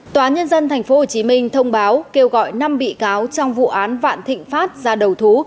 tòa nhân dân tp hcm thông báo kêu gọi năm bị cáo trong vụ án vạn thịnh pháp ra đầu thú